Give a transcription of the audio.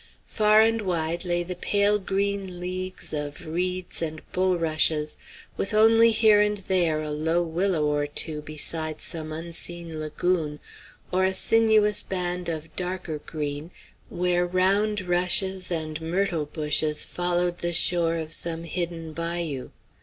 Far and wide lay the pale green leagues of reeds and bulrushes, with only here and there a low willow or two beside some unseen lagoon, or a sinuous band of darker green, where round rushes and myrtle bushes followed the shore of some hidden bayou.